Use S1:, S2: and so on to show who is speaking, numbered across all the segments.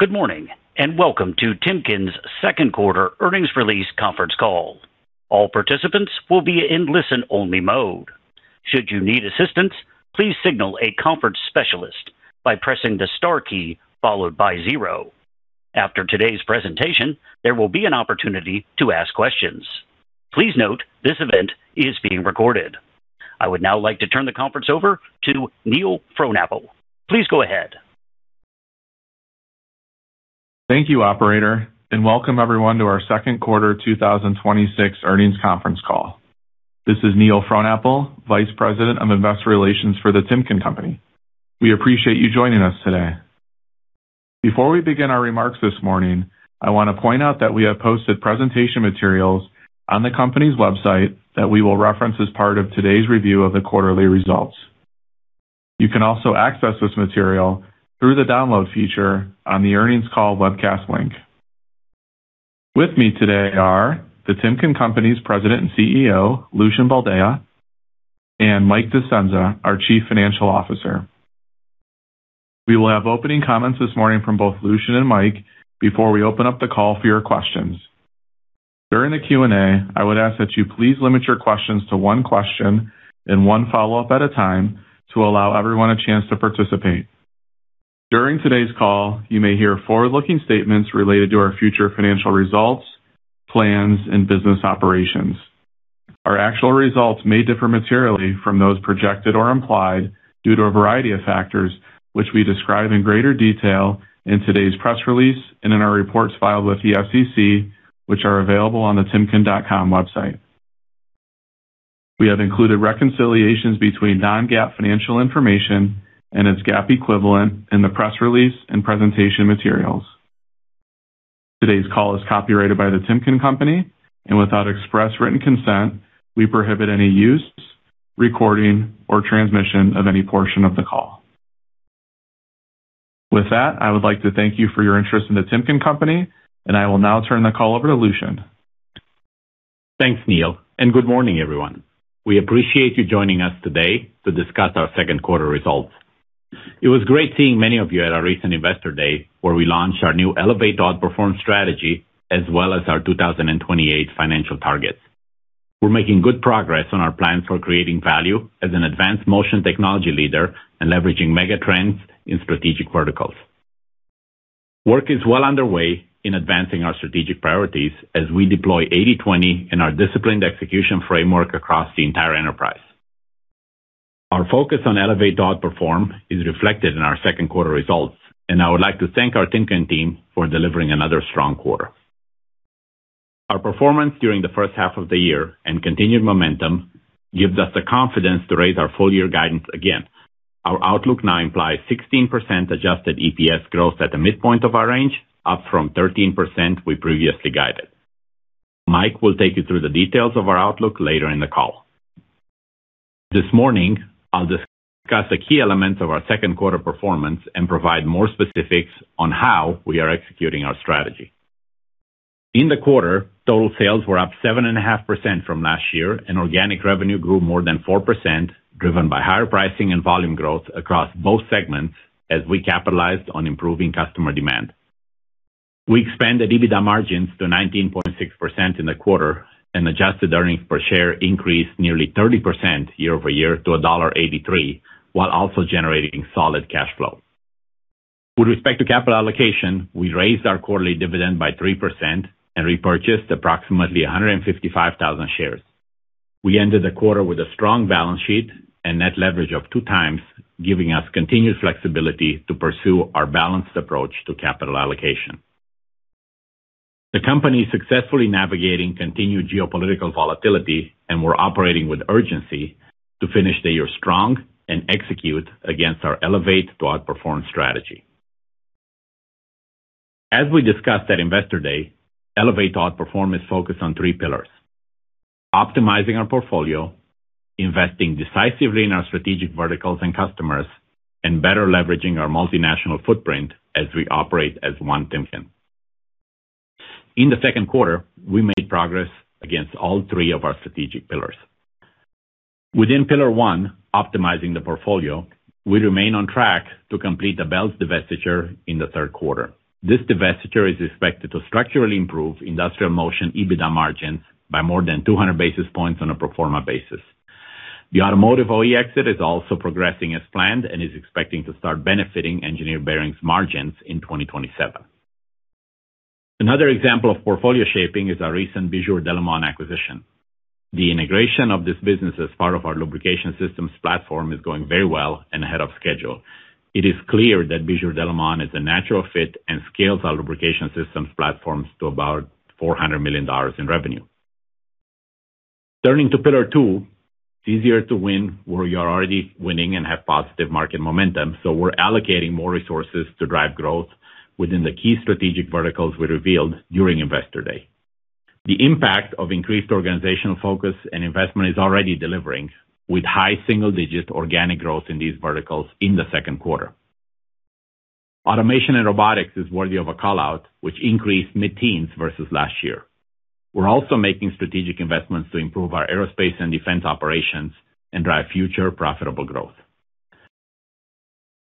S1: Good morning, and welcome to Timken's Second Quarter Earnings Release Conference Call. All participants will be in listen-only mode. Should you need assistance, please signal a conference specialist by pressing the star key, followed by zero. After today's presentation, there will be an opportunity to ask questions. Please note, this event is being recorded. I would now like to turn the conference over to Neil Frohnapple. Please go ahead.
S2: Thank you, operator, and welcome everyone to our second quarter 2026 earnings conference call. This is Neil Frohnapple, Vice President of Investor Relations for The Timken Company. We appreciate you joining us today. Before we begin our remarks this morning, I want to point out that we have posted presentation materials on the company's website that we will reference as part of today's review of the quarterly results. You can also access this material through the download feature on the earnings call webcast link. With me today are The Timken Company's President and CEO, Lucian Boldea, and Mike Discenza, our Chief Financial Officer. We will have opening comments this morning from both Lucian and Mike before we open up the call for your questions. During the Q&A, I would ask that you please limit your questions to one question and one follow-up at a time to allow everyone a chance to participate. During today's call, you may hear forward-looking statements related to our future financial results, plans, and business operations. Our actual results may differ materially from those projected or implied due to a variety of factors, which we describe in greater detail in today's press release and in our reports filed with the SEC, which are available on the timken.com website. We have included reconciliations between non-GAAP financial information and its GAAP equivalent in the press release and presentation materials. Today's call is copyrighted by The Timken Company, and without express written consent, we prohibit any use, recording, or transmission of any portion of the call. With that, I would like to thank you for your interest in The Timken Company, and I will now turn the call over to Lucian.
S3: Thanks, Neil, and good morning, everyone. We appreciate you joining us today to discuss our second quarter results. It was great seeing many of you at our recent Investor Day, where we launched our new Elevate to Outperform strategy, as well as our 2028 financial targets. We're making good progress on our plans for creating value as an advanced motion technology leader and leveraging mega trends in strategic verticals. Work is well underway in advancing our strategic priorities as we deploy 80/20 in our disciplined execution framework across the entire enterprise. Our focus on Elevate to Outperform is reflected in our second quarter results, and I would like to thank our Timken team for delivering another strong quarter. Our performance during the first half of the year and continued momentum gives us the confidence to raise our full-year guidance again. Our outlook now implies 16% adjusted EPS growth at the midpoint of our range, up from 13% we previously guided. Mike will take you through the details of our outlook later in the call. This morning, I'll discuss the key elements of our second quarter performance and provide more specifics on how we are executing our strategy. In the quarter, total sales were up 7.5% from last year and organic revenue grew more than 4%, driven by higher pricing and volume growth across both segments as we capitalized on improving customer demand. We expanded EBITDA margins to 19.6% in the quarter, and adjusted earnings per share increased nearly 30% year-over-year to $1.83 while also generating solid cash flow. With respect to capital allocation, we raised our quarterly dividend by 3% and repurchased approximately 155,000 shares. We ended the quarter with a strong balance sheet and net leverage of 2x, giving us continued flexibility to pursue our balanced approach to capital allocation. The company is successfully navigating continued geopolitical volatility. We're operating with urgency to finish the year strong and execute against the Elevate to Outperform strategy. As we discussed at Investor Day, Elevate to Outperform is focused on three pillars: optimizing our portfolio, investing decisively in our strategic verticals and customers, and better leveraging our multinational footprint as we operate as One Timken. In the second quarter, we made progress against all three of our strategic pillars. Within pillar one, optimizing the portfolio, we remain on track to complete the Belts divestiture in the third quarter. This divestiture is expected to structurally improve Industrial Motion EBITDA margins by more than 200 basis points on a pro forma basis. The automotive OE exit is also progressing as planned and is expecting to start benefiting Engineered Bearings margins in 2027. Another example of portfolio shaping is our recent Bijur Delimon acquisition. The integration of this business as part of our lubrication systems platform is going very well and ahead of schedule. It is clear that Bijur Delimon is a natural fit and scales our lubrication systems platforms to about $400 million in revenue. Turning to pillar two, it's easier to win where you are already winning and have positive market momentum. We're allocating more resources to drive growth within the key strategic verticals we revealed during Investor Day. The impact of increased organizational focus and investment is already delivering with high single-digit organic growth in these verticals in the second quarter. Automation and robotics is worthy of a call-out, which increased mid-teens versus last year. We're also making strategic investments to improve our aerospace and defense operations and drive future profitable growth.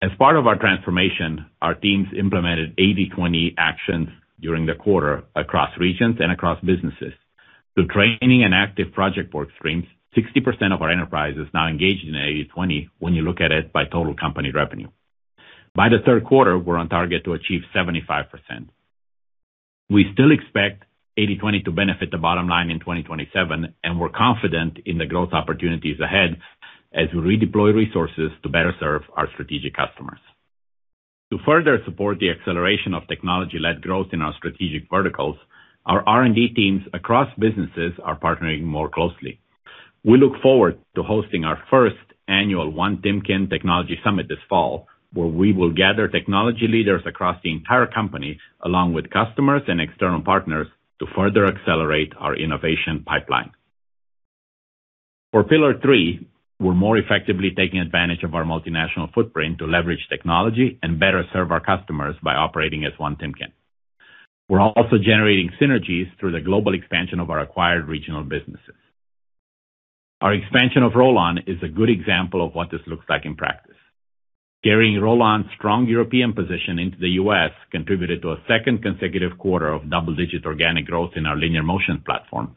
S3: As part of our transformation, our teams implemented 80/20 actions during the quarter across regions and across businesses. Through training and active project workstreams, 60% of our enterprise is now engaged in 80/20 when you look at it by total company revenue. By the third quarter, we're on target to achieve 75%. We still expect 80/20 to benefit the bottom line in 2027, and we're confident in the growth opportunities ahead as we redeploy resources to better serve our strategic customers. To further support the acceleration of technology-led growth in our strategic verticals, our R&D teams across businesses are partnering more closely. We look forward to hosting our first annual One Timken Technology Summit this fall, where we will gather technology leaders across the entire company, along with customers and external partners, to further accelerate our innovation pipeline. For pillar three, we're more effectively taking advantage of our multinational footprint to leverage technology and better serve our customers by operating as One Timken. We're also generating synergies through the global expansion of our acquired regional businesses. Our expansion of Rollon is a good example of what this looks like in practice. Carrying Rollon's strong European position into the U.S. contributed to a second consecutive quarter of double-digit organic growth in our linear motion platform.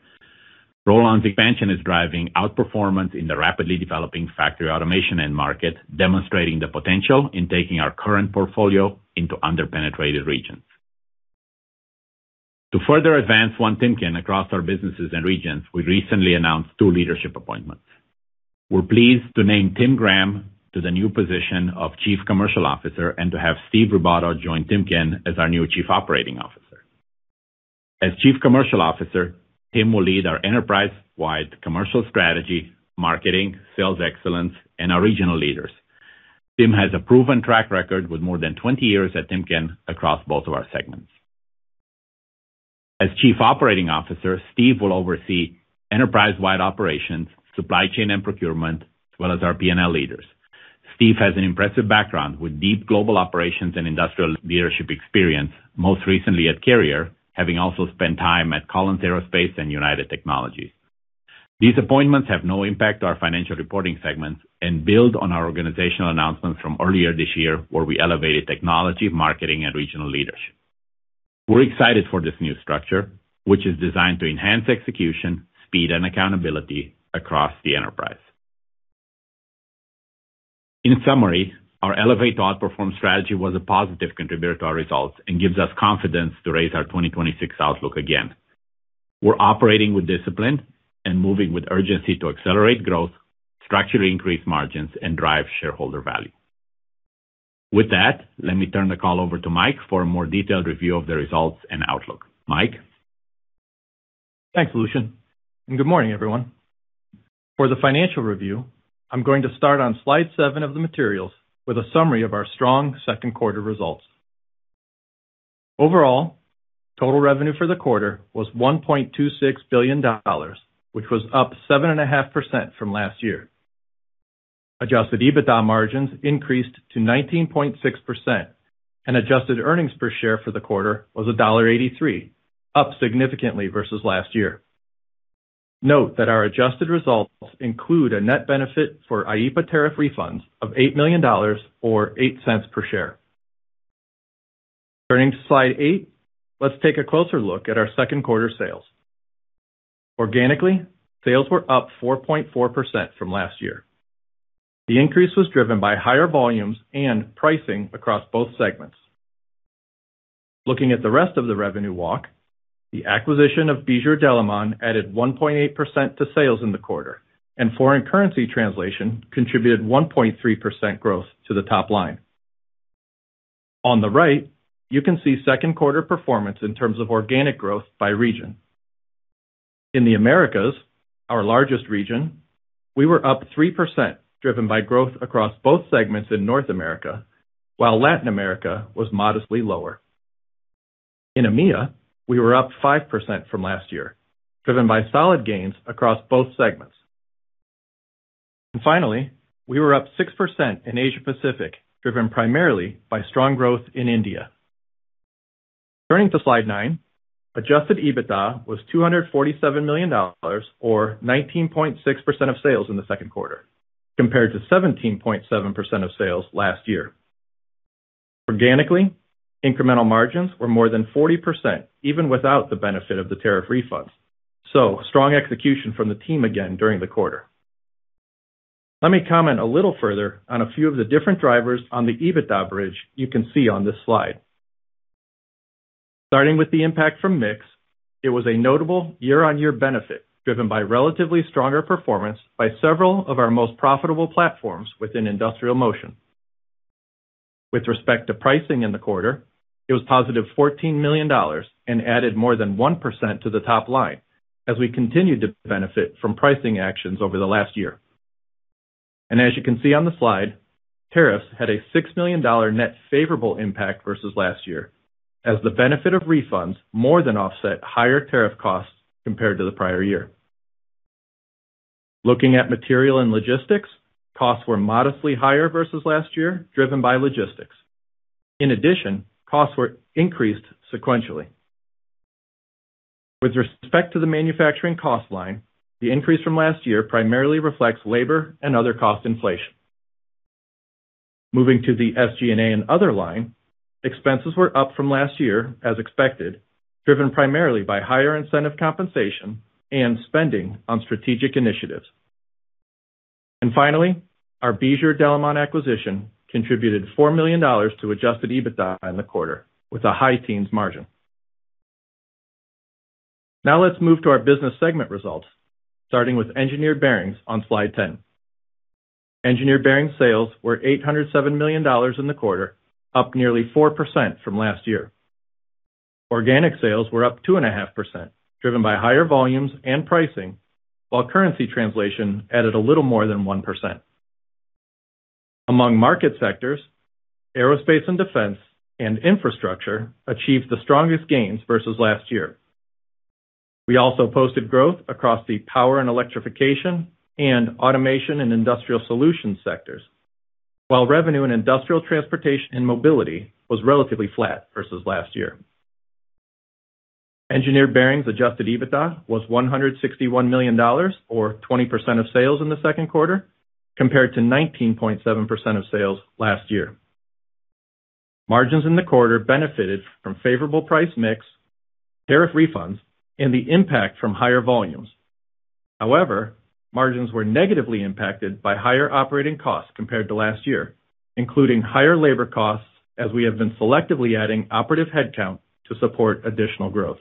S3: Rollon's expansion is driving outperformance in the rapidly developing factory automation end market, demonstrating the potential in taking our current portfolio into under-penetrated regions. To further advance One Timken across our businesses and regions, we recently announced two leadership appointments. We're pleased to name Tim Graham to the new position of Chief Commercial Officer and to have Steve Ribaudo join Timken as our new Chief Operating Officer. As Chief Commercial Officer, Tim will lead our enterprise-wide commercial strategy, marketing, sales excellence, and our regional leaders. Tim has a proven track record with more than 20 years at Timken across both of our segments. As Chief Operating Officer, Steve will oversee enterprise-wide operations, supply chain, and procurement, as well as our P&L leaders. Steve has an impressive background with deep global operations and industrial leadership experience, most recently at Carrier, having also spent time at Collins Aerospace and United Technologies. These appointments have no impact to our financial reporting segments and build on our organizational announcements from earlier this year where we elevated technology, marketing, and regional leadership. We're excited for this new structure, which is designed to enhance execution, speed, and accountability across the enterprise. In summary, our Elevate to Outperform strategy was a positive contributor to our results and gives us confidence to raise our 2026 outlook again. We're operating with discipline and moving with urgency to accelerate growth, structurally increase margins, and drive shareholder value. With that, let me turn the call over to Mike for a more detailed review of the results and outlook. Mike?
S4: Thanks, Lucian, and good morning, everyone. For the financial review, I'm going to start on slide seven of the materials with a summary of our strong second quarter results. Overall, total revenue for the quarter was $1.26 billion, which was up 7.5% from last year. Adjusted EBITDA margins increased to 19.6%, and adjusted earnings per share for the quarter was $1.83, up significantly versus last year. Note that our adjusted results include a net benefit for IEEPA tariff refunds of $8 million, or $0.08 per share. Turning to slide eight, let's take a closer look at our second quarter sales. Organically, sales were up 4.4% from last year. The increase was driven by higher volumes and pricing across both segments. Looking at the rest of the revenue walk, the acquisition of Bijur Delimon added 1.8% to sales in the quarter, and foreign currency translation contributed 1.3% growth to the top line. On the right, you can see second quarter performance in terms of organic growth by region. In the Americas, our largest region, we were up 3%, driven by growth across both segments in North America, while Latin America was modestly lower. In EMEA, we were up 5% from last year, driven by solid gains across both segments. Finally, we were up 6% in Asia Pacific, driven primarily by strong growth in India. Turning to slide nine, adjusted EBITDA was $247 million, or 19.6% of sales in the second quarter, compared to 17.7% of sales last year. Organically, incremental margins were more than 40%, even without the benefit of the tariff refunds. Strong execution from the team again during the quarter. Let me comment a little further on a few of the different drivers on the EBITDA bridge you can see on this slide. Starting with the impact from mix, it was a notable year-on-year benefit, driven by relatively stronger performance by several of our most profitable platforms within Industrial Motion. With respect to pricing in the quarter, it was positive $14 million and added more than 1% to the top line as we continued to benefit from pricing actions over the last year. As you can see on the slide, tariffs had a $6 million net favorable impact versus last year, as the benefit of refunds more than offset higher tariff costs compared to the prior year. Looking at material and logistics, costs were modestly higher versus last year, driven by logistics. In addition, costs were increased sequentially. With respect to the manufacturing cost line, the increase from last year primarily reflects labor and other cost inflation. Moving to the SG&A and other line, expenses were up from last year as expected, driven primarily by higher incentive compensation and spending on strategic initiatives. Finally, our Bijur Delimon acquisition contributed $4 million to adjusted EBITDA in the quarter with a high teens margin. Now let's move to our business segment results, starting with Engineered Bearings on slide 10. Engineered Bearings sales were $807 million in the quarter, up nearly 4% from last year. Organic sales were up 2.5%, driven by higher volumes and pricing, while currency translation added a little more than 1%. Among market sectors, aerospace and defense and infrastructure achieved the strongest gains versus last year. We also posted growth across the power and electrification and automation and industrial solutions sectors, while revenue in industrial transportation and mobility was relatively flat versus last year. Engineered Bearings adjusted EBITDA was $161 million, or 20% of sales in the second quarter, compared to 19.7% of sales last year. Margins in the quarter benefited from favorable price mix, tariff refunds, and the impact from higher volumes. However, margins were negatively impacted by higher operating costs compared to last year, including higher labor costs, as we have been selectively adding operative headcount to support additional growth.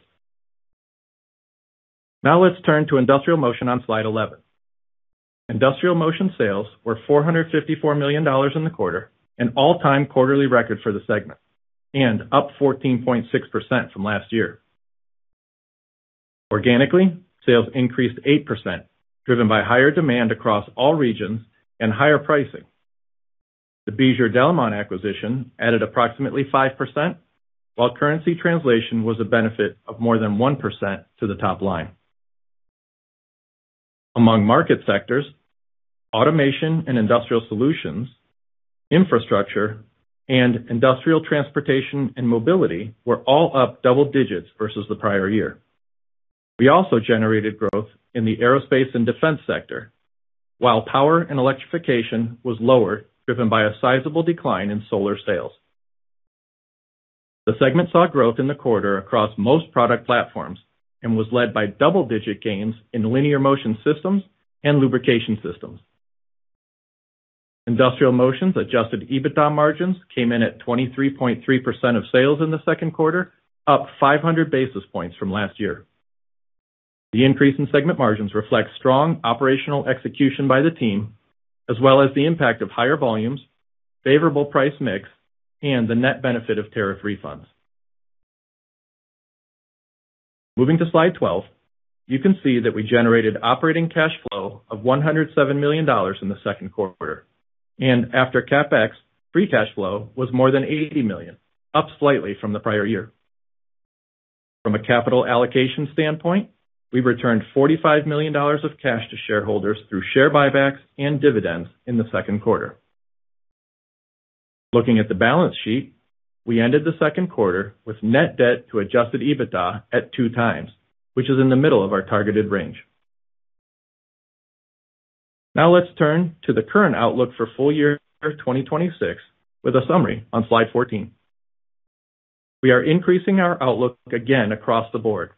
S4: Let's turn to Industrial Motion on slide 11. Industrial Motion sales were $454 million in the quarter, an all-time quarterly record for the segment, and up 14.6% from last year. Organically, sales increased 8%, driven by higher demand across all regions and higher pricing. The Bijur Delimon acquisition added approximately 5%, while currency translation was a benefit of more than 1% to the top line. Among market sectors, automation and industrial solutions, infrastructure, and industrial transportation and mobility were all up double digits versus the prior year. We also generated growth in the aerospace and defense sector, while power and electrification was lower, driven by a sizable decline in solar sales. The segment saw growth in the quarter across most product platforms and was led by double-digit gains in linear motion systems and lubrication systems. Industrial Motion's adjusted EBITDA margins came in at 23.3% of sales in the second quarter, up 500 basis points from last year. The increase in segment margins reflect strong operational execution by the team, as well as the impact of higher volumes, favorable price mix, and the net benefit of tariff refunds. Moving to slide 12, you can see that we generated operating cash flow of $107 million in the second quarter, and after CapEx, free cash flow was more than $80 million, up slightly from the prior year. From a capital allocation standpoint, we returned $45 million of cash to shareholders through share buybacks and dividends in the second quarter. Looking at the balance sheet, we ended the second quarter with net debt to adjusted EBITDA at 2x, which is in the middle of our targeted range. Let's turn to the current outlook for full year 2026 with a summary on slide 14. We are increasing our outlook again across the board.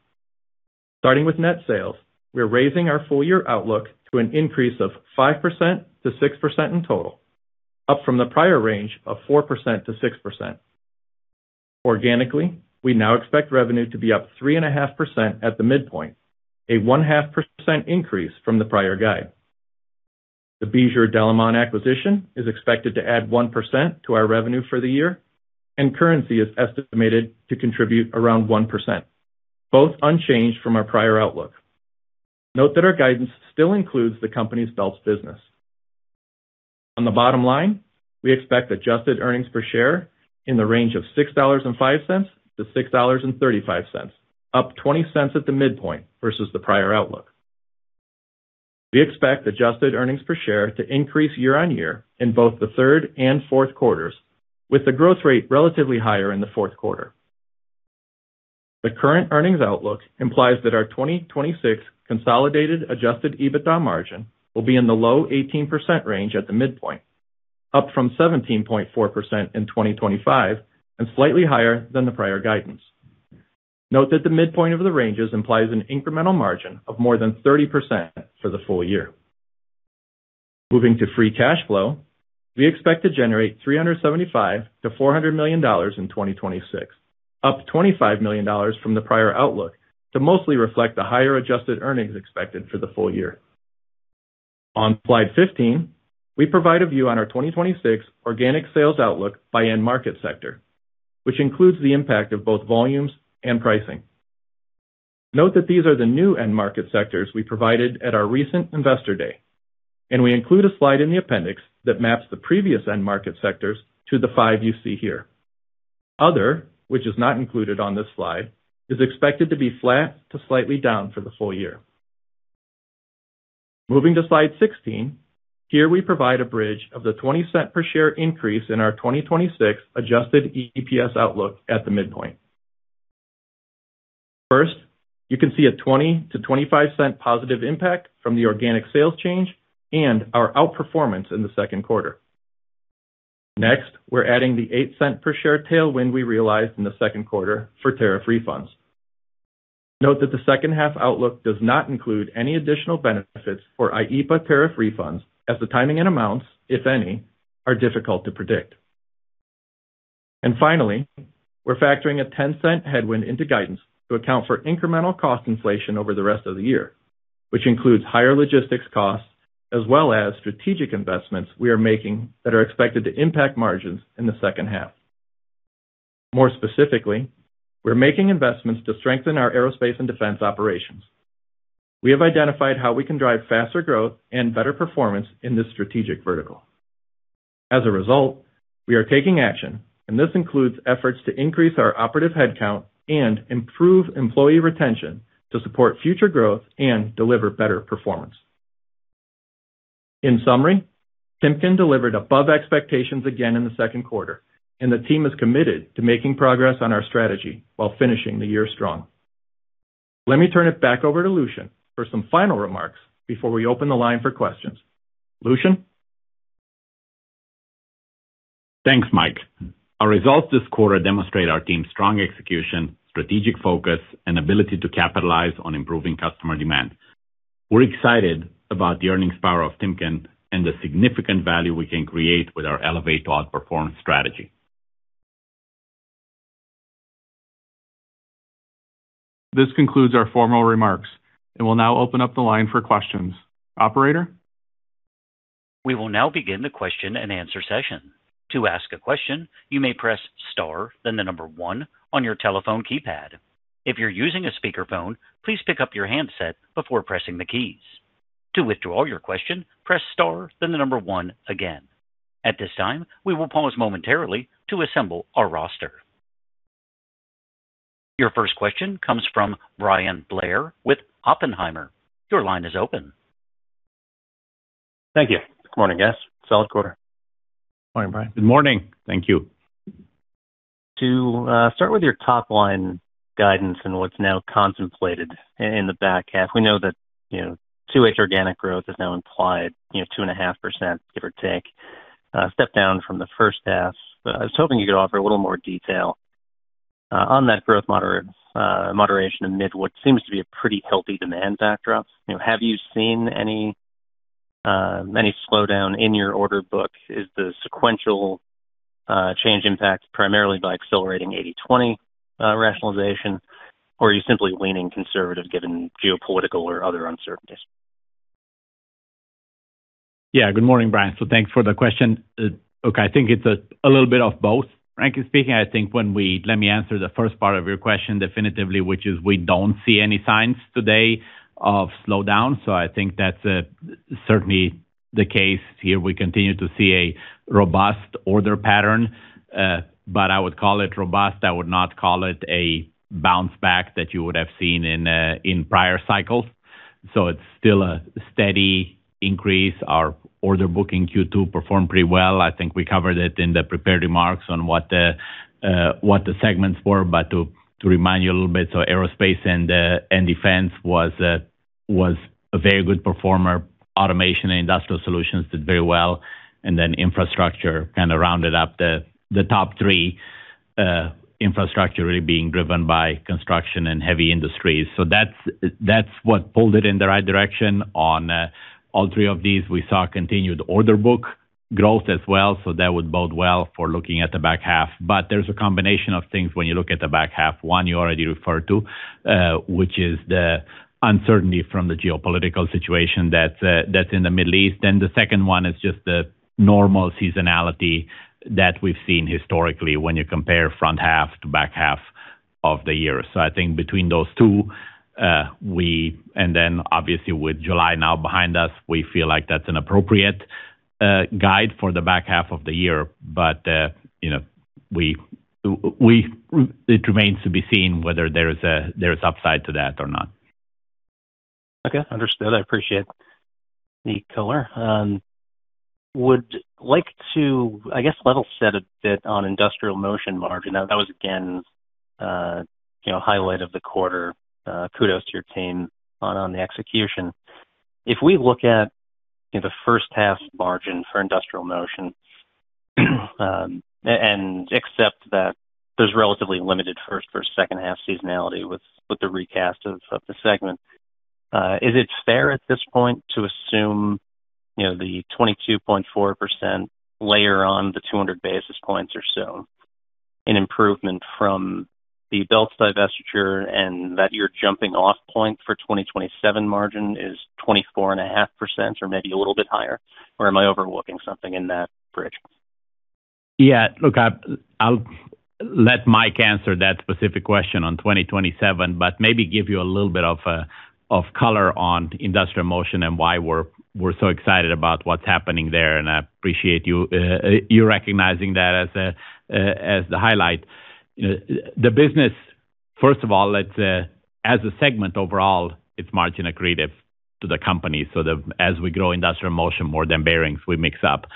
S4: Starting with net sales, we're raising our full year outlook to an increase of 5%-6% in total, up from the prior range of 4%-6%. Organically, we now expect revenue to be up 3.5% at the midpoint, a 0.5% increase from the prior guide. The Bijur Delimon acquisition is expected to add 1% to our revenue for the year, and currency is estimated to contribute around 1%, both unchanged from our prior outlook. Note that our guidance still includes the company's belt business. On the bottom line, we expect adjusted earnings per share in the range of $6.05-$6.35, up $0.20 at the midpoint versus the prior outlook. We expect adjusted earnings per share to increase year-over-year in both the third and fourth quarters, with the growth rate relatively higher in the fourth quarter. The current earnings outlook implies that our 2026 consolidated adjusted EBITDA margin will be in the low 18% range at the midpoint, up from 17.4% in 2025 and slightly higher than the prior guidance. Note that the midpoint of the ranges implies an incremental margin of more than 30% for the full year. Moving to free cash flow, we expect to generate $375 million-$400 million in 2026, up $25 million from the prior outlook to mostly reflect the higher adjusted earnings expected for the full year. On slide 15, we provide a view on our 2026 organic sales outlook by end market sector, which includes the impact of both volumes and pricing. Note that these are the new end market sectors we provided at our recent Investor Day, and we include a slide in the appendix that maps the previous end market sectors to the five you see here. Other, which is not included on this slide, is expected to be flat to slightly down for the full year. Moving to slide 16, here we provide a bridge of the $0.20 per share increase in our 2026 adjusted EPS outlook at the midpoint. First, you can see a $0.20-$0.25 positive impact from the organic sales change and our outperformance in the second quarter. Next, we're adding the $0.08 per share tailwind we realized in the second quarter for tariff refunds. Note that the second half outlook does not include any additional benefits for IEEPA tariff refunds as the timing and amounts, if any, are difficult to predict. Finally, we're factoring a $0.10 headwind into guidance to account for incremental cost inflation over the rest of the year, which includes higher logistics costs as well as strategic investments we are making that are expected to impact margins in the second half. More specifically, we're making investments to strengthen our aerospace and defense operations. We have identified how we can drive faster growth and better performance in this strategic vertical. As a result, we are taking action. This includes efforts to increase our operative headcount and improve employee retention to support future growth and deliver better performance. In summary, Timken delivered above expectations again in the second quarter, and the team is committed to making progress on our strategy while finishing the year strong. Let me turn it back over to Lucian for some final remarks before we open the line for questions. Lucian?
S3: Thanks, Mike. Our results this quarter demonstrate our team's strong execution, strategic focus, and ability to capitalize on improving customer demand. We're excited about the earnings power of Timken and the significant value we can create with our Elevate to Outperform strategy.
S2: This concludes our formal remarks, and we'll now open up the line for questions. Operator?
S1: We will now begin the question and answer session. To ask a question, you may press star, then number one on your telephone keypad. If you're using a speakerphone, please pick up your handset before pressing the keys. To withdraw your question, press star, then number one again. At this time, we will pause momentarily to assemble our roster. Your first question comes from Bryan Blair with Oppenheimer. Your line is open.
S5: Thank you. Good morning, guys. Solid quarter.
S4: Morning, Bryan.
S3: Good morning. Thank you.
S5: To start with your top line guidance and what's now contemplated in the back half, we know that 2H organic growth is now implied, 2.5% give or take, a step down from the first half. I was hoping you could offer a little more detail on that growth moderation amid what seems to be a pretty healthy demand backdrop. Have you seen any slowdown in your order book? Is the sequential change impacted primarily by accelerating 80/20 rationalization? Are you simply leaning conservative given geopolitical or other uncertainties?
S3: Yeah. Good morning, Bryan. Thanks for the question. Okay. I think it's a little bit of both, frankly speaking. Let me answer the first part of your question definitively, which is we don't see any signs today of slowdown. I think that's certainly the case here. We continue to see a robust order pattern. I would call it robust. I would not call it a bounce back that you would have seen in prior cycles. It's still a steady increase. Our order book in Q2 performed pretty well. I think we covered it in the prepared remarks on what the segments were. To remind you a little bit, aerospace and defense was a very good performer. Automation and industrial solutions did very well, infrastructure kind of rounded up the top three, infrastructure really being driven by construction and heavy industries. That's what pulled it in the right direction. On all three of these, we saw continued order book growth as well, that would bode well for looking at the back half. There's a combination of things when you look at the back half. One you already referred to, which is the uncertainty from the geopolitical situation that's in the Middle East. The second one is just the normal seasonality that we've seen historically when you compare front half to back half of the year. I think between those two, and then obviously with July now behind us, we feel like that's an appropriate guide for the back half of the year. It remains to be seen whether there is upside to that or not.
S5: Okay, understood. I appreciate the color. Would like to, I guess, level set a bit on Industrial Motion margin. That was again a highlight of the quarter. Kudos to your team on the execution. If we look at the first half margin for Industrial Motion, and accept that there's relatively limited first or second half seasonality with the recast of the segment, is it fair at this point to assume the 22.4% layer on the 200 basis points or so an improvement from the belt divestiture, and that your jumping off point for 2027 margin is 24.5% or maybe a little bit higher? Or am I overlooking something in that bridge?
S3: Look, I'll let Mike answer that specific question on 2027, but maybe give you a little bit of color on Industrial Motion and why we're so excited about what's happening there, and I appreciate you recognizing that as the highlight. The business, first of all, as a segment overall, it's margin accretive to the company, so that as we grow Industrial Motion more than bearings, we mix up.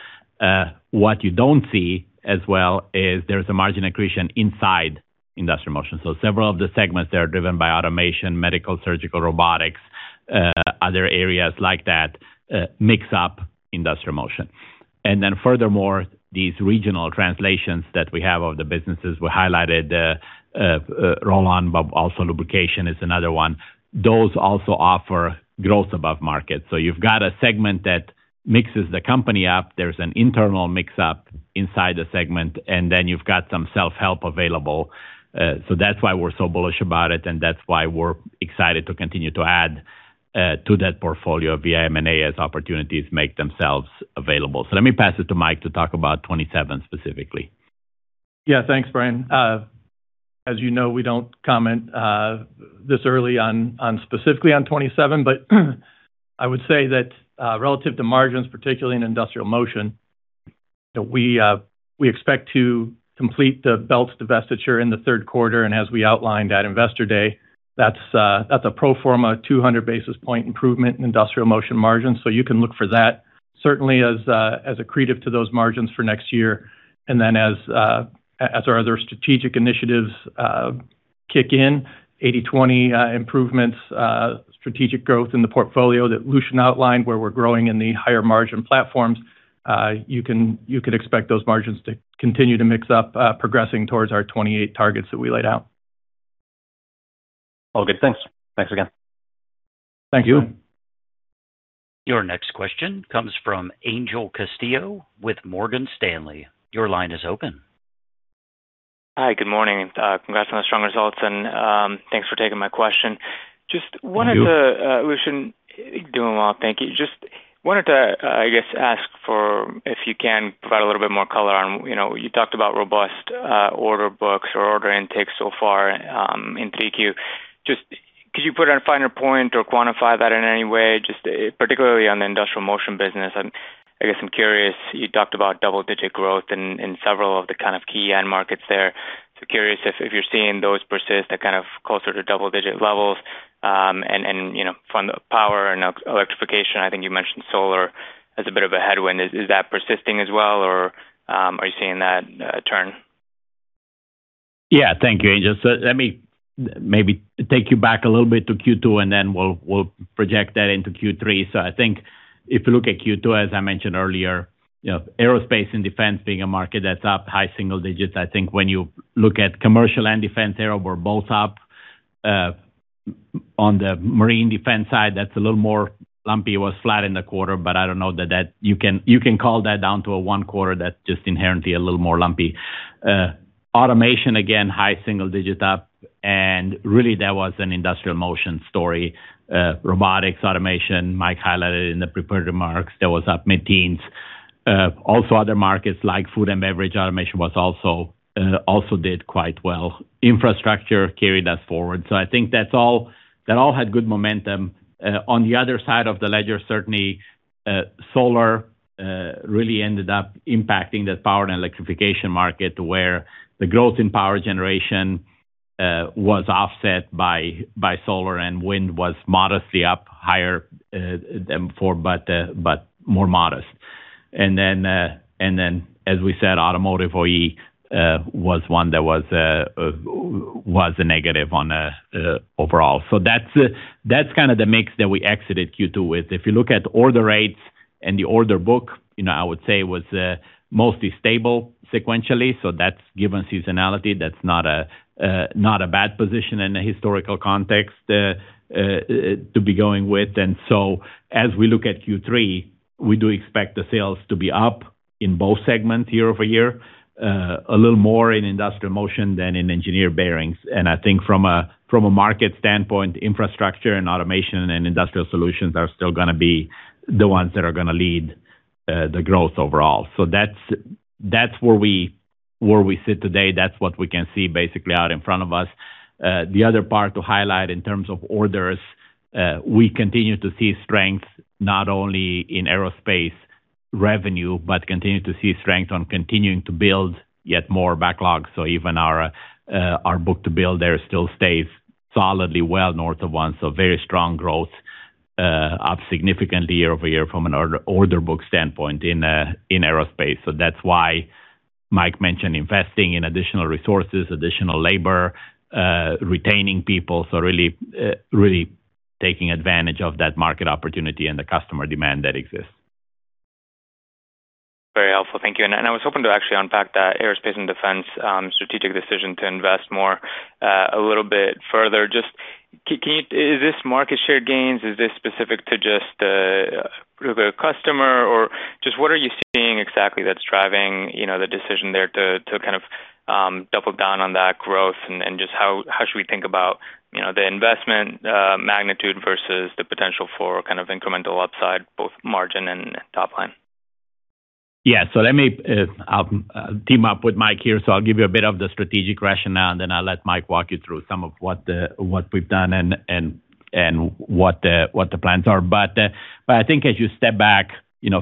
S3: What you don't see as well is there's a margin accretion inside Industrial Motion. Several of the segments that are driven by automation, medical, surgical, robotics, other areas like that, mix up Industrial Motion. Furthermore, these regional translations that we have of the businesses we highlighted, Rollon, but also lubrication is another one. Those also offer growth above market. You've got a segment that mixes the company up. There's an internal mix-up inside the segment, you've got some self-help available. That's why we're so bullish about it, that's why we're excited to continue to add to that portfolio via M&A as opportunities make themselves available. Let me pass it to Mike to talk about 2027 specifically.
S4: Thanks, Bryan. As you know, we don't comment this early on specifically on 2027, but I would say that relative to margins, particularly in Industrial Motion, that we expect to complete the belts divestiture in the third quarter, and as we outlined at Investor Day, that's a pro forma 200 basis point improvement in Industrial Motion margins. You can look for that certainly as accretive to those margins for next year. As our other strategic initiatives kick in, 80/20 improvements, strategic growth in the portfolio that Lucian outlined where we're growing in the higher margin platforms, you could expect those margins to continue to mix up, progressing towards our 2028 targets that we laid out.
S5: All good. Thanks. Thanks again.
S4: Thank you.
S1: Your next question comes from Angel Castillo with Morgan Stanley. Your line is open.
S6: Hi, good morning. Congrats on the strong results, and thanks for taking my question.
S3: Thank you.
S6: Lucian. Doing well, thank you. Wanted to, I guess, ask for if you can provide a little bit more color on, you talked about robust order books or order intakes so far in 3Q. Could you put a finer point or quantify that in any way, particularly on the Industrial Motion business? I guess I'm curious, you talked about double-digit growth in several of the kind of key end markets there. Curious if you're seeing those persist at kind of closer to double-digit levels. From the power and electrification, I think you mentioned solar as a bit of a headwind. Is that persisting as well or are you seeing that turn?
S3: Thank you, Angel. Let me maybe take you back a little bit to Q2, then we'll project that into Q3. I think if you look at Q2, as I mentioned earlier, aerospace and defense being a market that's up high single digits. I think when you look at commercial and defense aero were both up. On the marine defense side, that's a little more lumpy. It was flat in the quarter, but I don't know that you can call that down to a one quarter that just inherently a little more lumpy. Automation, again, high single digit up, and really that was an Industrial Motion story. Robotics, automation, Mike highlighted in the prepared remarks, that was up mid-teens. Also other markets like food and beverage automation also did quite well. Infrastructure carried us forward. I think that all had good momentum. On the other side of the ledger, certainly solar really ended up impacting the power and electrification market, where the growth in power generation was offset by solar and wind was modestly up higher than before, but more modest. As we said, automotive OE was one that was a negative on overall. That's kind of the mix that we exited Q2 with. If you look at order rates and the order book, I would say was mostly stable sequentially, so that's given seasonality. That's not a bad position in a historical context to be going with. As we look at Q3, we do expect the sales to be up in both segments year-over-year. A little more in Industrial Motion than in Engineered Bearings. I think from a market standpoint, infrastructure and automation and industrial solutions are still going to be the ones that are going to lead the growth overall. That is where we sit today. That is what we can see basically out in front of us. The other part to highlight in terms of orders, we continue to see strength not only in aerospace revenue, but continue to see strength on continuing to build yet more backlog. Even our book-to-bill there still stays solidly well north of 1x. So very strong growth up significantly year-over-year from an order book standpoint in aerospace. That is why Mike mentioned investing in additional resources, additional labor, retaining people, so really taking advantage of that market opportunity and the customer demand that exists.
S6: Very helpful. Thank you. I was hoping to actually unpack that aerospace and defense strategic decision to invest more a little bit further. Is this market share gains? Is this specific to just the customer, or just what are you seeing exactly that is driving the decision there to kind of double down on that growth, and just how should we think about the investment magnitude versus the potential for kind of incremental upside, both margin and top line?
S3: Let me--I'll team up with Mike here. I'll give you a bit of the strategic rationale, and then I'll let Mike walk you through some of what we've done and what the plans are. But I think as you step back,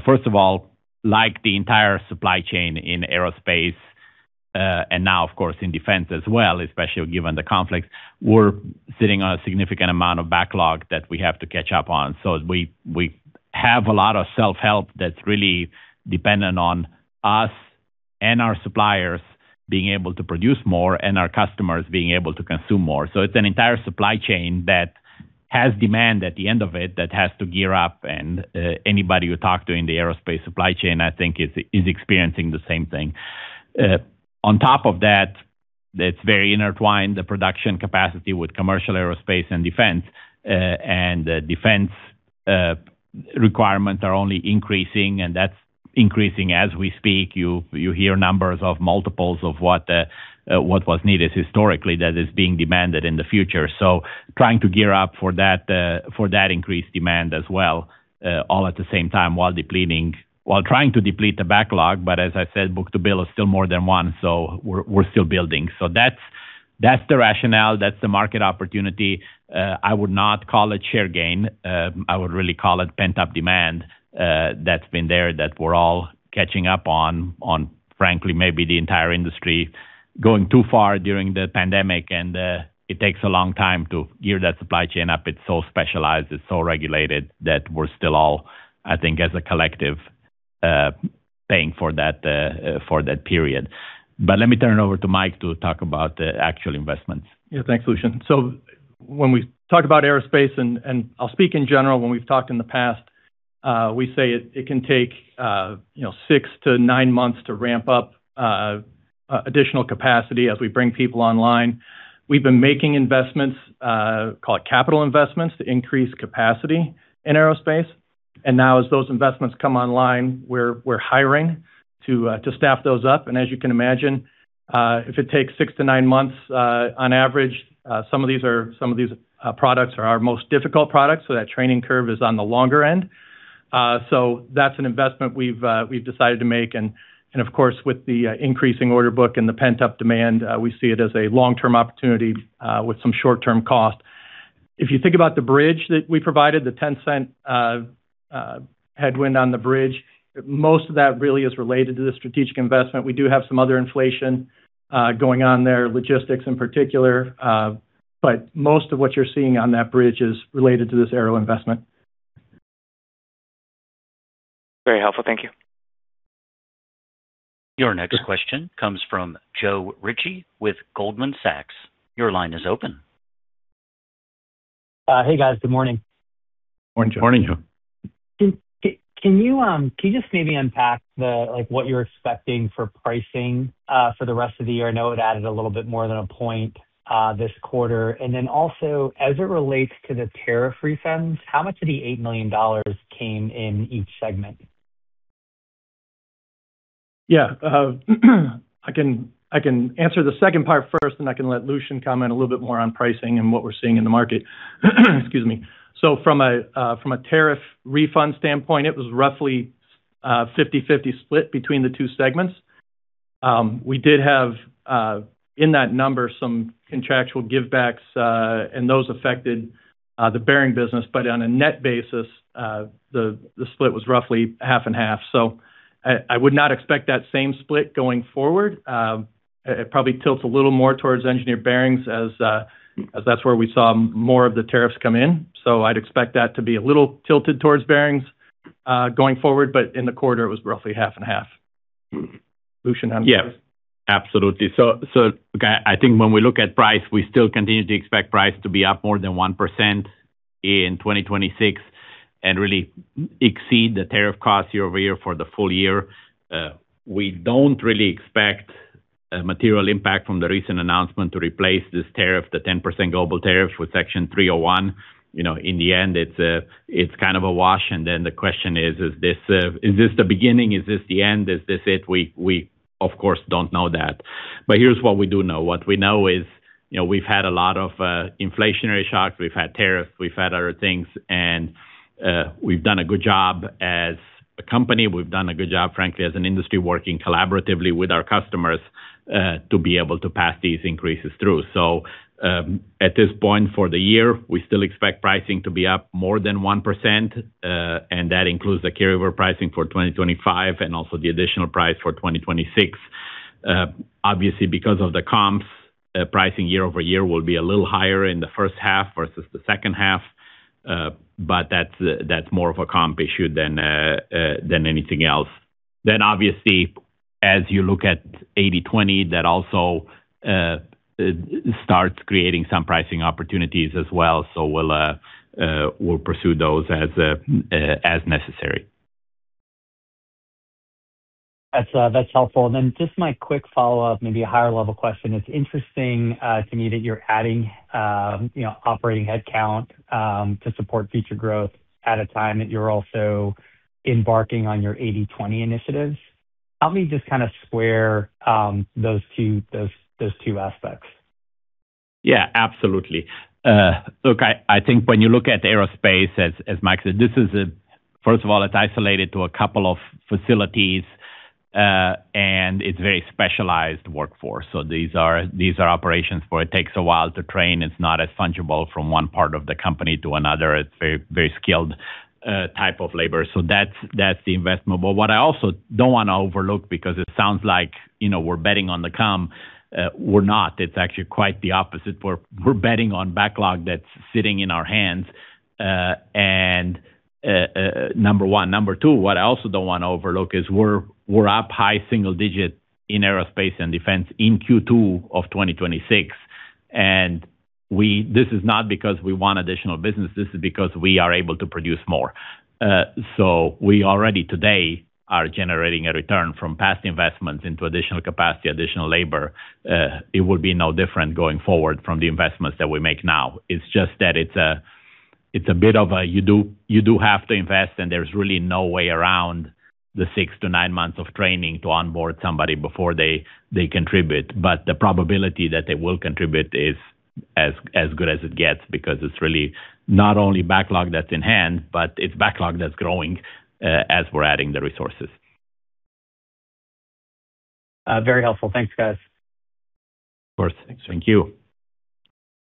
S3: first of all, the entire supply chain in aerospace, and now of course in defense as well, especially given the conflict, we're sitting on a significant amount of backlog that we have to catch up on. We have a lot of self-help that's really dependent on us and our suppliers being able to produce more, and our customers being able to consume more. It's an entire supply chain that has demand at the end of it that has to gear up, and anybody you talk to in the aerospace supply chain, I think, is experiencing the same thing. On top of that, it's very intertwined, the production capacity with commercial aerospace and defense. The defense requirements are only increasing, and that's increasing as we speak. You hear numbers of multiples of what was needed historically that is being demanded in the future. Trying to gear up for that increased demand as well, all at the same time while trying to deplete the backlog. But as I said, book-to-bill is still more than 1x, so we're still building. That's the rationale. That's the market opportunity. I would not call it share gain. I would really call it pent-up demand that's been there, that we're all catching up on, frankly, maybe the entire industry going too far during the pandemic. It takes a long time to gear that supply chain up. It's so specialized, it's so regulated that we're still all, I think, as a collective, paying for that period. Let me turn it over to Mike to talk about the actual investments.
S4: Yeah. Thanks, Lucian. When we talk about aerospace, I'll speak in general, when we've talked in the past, we say it can take six-nine months to ramp up additional capacity as we bring people online. We've been making investments, call it capital investments, to increase capacity in aerospace. Now as those investments come online, we're hiring to staff those up. As you can imagine, if it takes six-nine months on average, some of these products are our most difficult products. That training curve is on the longer end. That's an investment we've decided to make. Of course, with the increasing order book and the pent-up demand, we see it as a long-term opportunity with some short-term cost. If you think about the bridge that we provided, the $0.10 headwind on the bridge, most of that really is related to the strategic investment. We do have some other inflation going on there, logistics in particular. Most of what you're seeing on that bridge is related to this aero investment.
S6: Very helpful. Thank you.
S1: Your next question comes from Joe Ritchie with Goldman Sachs. Your line is open.
S7: Hey, guys. Good morning.
S4: Morning, Joe.
S3: Morning, Joe.
S7: Can you just maybe unpack what you're expecting for pricing for the rest of the year? I know it added a little bit more than a point this quarter. Also, as it relates to the tariff refunds, how much of the $8 million came in each segment?
S4: Yeah. I can answer the second part first, and I can let Lucian comment a little bit more on pricing and what we're seeing in the market. Excuse me. From a tariff refund standpoint, it was roughly a 50/50 split between the two segments. We did have, in that number, some contractual give backs, and those affected the bearing business. On a net basis, the split was roughly half and half. I would not expect that same split going forward. It probably tilts a little more towards Engineered Bearings, as that's where we saw more of the tariffs come in. I'd expect that to be a little tilted towards bearings going forward. In the quarter it was roughly half and half. Lucian, how does that?
S3: Yeah. Absolutely. I think when we look at price, we still continue to expect price to be up more than 1% in 2026 and really exceed the tariff cost year-over-year for the full year. We don't really expect a material impact from the recent announcement to replace this tariff, the 10% global tariff with Section 301. In the end, it's kind of a wash, and then the question is: Is this the beginning? Is this the end? Is this it? We, of course, don't know that. Here's what we do know. What we know is we've had a lot of inflationary shocks, we've had tariffs, we've had other things, and we've done a good job as a company. We've done a good job, frankly, as an industry, working collaboratively with our customers to be able to pass these increases through. At this point, for the year, we still expect pricing to be up more than 1%, and that includes the carry-over pricing for 2025 and also the additional price for 2026. Obviously, because of the comps, pricing year-over-year will be a little higher in the first half versus the second half. That's more of a comp issue than anything else. Obviously, as you look at 80/20, that also starts creating some pricing opportunities as well. We'll pursue those as necessary.
S7: That's helpful. Just my quick follow-up, maybe a higher level question. It's interesting to me that you're adding operating headcount to support future growth at a time that you're also embarking on your 80/20 initiatives. Help me just kind of square those two aspects.
S3: Yeah, absolutely. Look, I think when you look at aerospace, as Mike said, first of all, it's isolated to a couple of facilities, and it's a very specialized workforce. These are operations where it takes a while to train. It's not as fungible from one part of the company to another. It's a very skilled type of labor. That's the investment. What I also don't want to overlook, because it sounds like we're betting on the come, we're not. It's actually quite the opposite. We're betting on backlog that's sitting in our hands, number one. Number two, what I also don't want to overlook is we're up high single digit in aerospace and defense in Q2 of 2026. This is not because we want additional business, this is because we are able to produce more. We already today are generating a return from past investments into additional capacity, additional labor. It would be no different going forward from the investments that we make now. It's just that you do have to invest, and there's really no way around the six-nine months of training to onboard somebody before they contribute. The probability that they will contribute is as good as it gets, because it's really not only backlog that's in hand, but it's backlog that's growing as we're adding the resources.
S7: Very helpful. Thanks, guys.
S3: Of course.
S4: Thanks.
S3: Thank you.